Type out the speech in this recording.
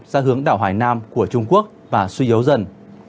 ra hướng đảo hải nam của trung quốc và suy yếu dần